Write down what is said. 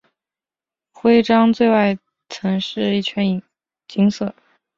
徽章的最外层是一圈金色。